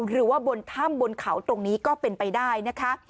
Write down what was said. หรือว่าบนถ้ำบนเขาตรงนี้ก็เป็นไปได้นะคะ